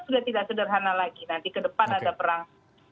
sudah tidak sederhana lagi nanti ke depan ada perang